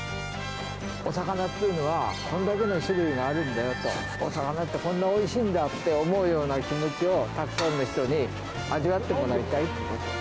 お魚っていうのは、これだけの種類があるんだよと、お魚ってこんなおいしいんだって思うような気持ちを、たくさんの人に味わってもらいたい。